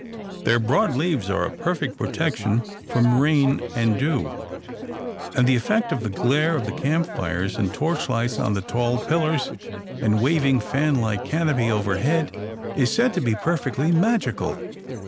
Their broad leaves are a perfect protection from rain and dew; and the effect of the glare of the campfires and torch lights on the tall pillars, and waving, fan like canopy overhead, is said to be perfectly magical.